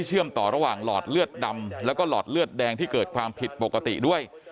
เชื่อมต่อระหว่างหลอดเลือดดำแล้วก็หลอดเลือดแดงที่เกิดความผิดปกติด้วย